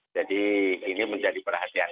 jadi ini menjadi perhatian kita